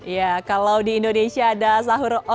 iya kalau di indonesia ada sahur on the road